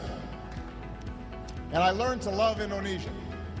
dan saya belajar mencari indonesia